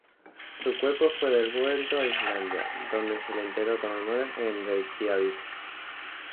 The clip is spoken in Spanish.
Su cuerpo fue devuelto a Islandia, donde se le enterró con honores en Reikiavik.